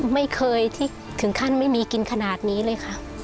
ไม่เคยที่ถึงขั้นไม่มีกินขนาดนี้เลยค่ะ